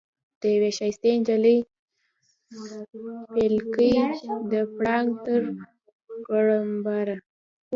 د یوې ښایستې نجلۍ شپېلکی د پړانګ تر غړمبهاره.